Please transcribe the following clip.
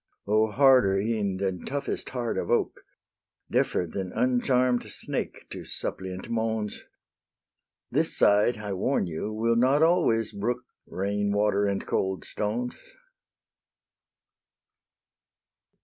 O harder e'en than toughest heart of oak, Deafer than uncharm'd snake to suppliant moans! This side, I warn you, will not always brook Rain water and cold stones.